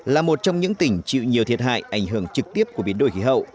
là một trong những tỉnh chịu nhiều thiệt hại ảnh hưởng trực tiếp của biến đổi khí hậu